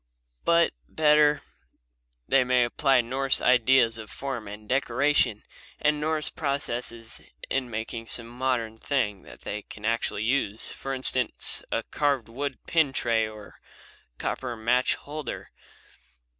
But, better, they may apply Norse ideas of form and decoration and Norse processes in making some modern thing that they can actually use; for instance, a carved wood pin tray or a copper match holder.